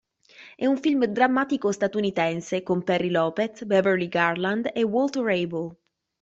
È un film drammatico statunitense con Perry Lopez, Beverly Garland e Walter Abel.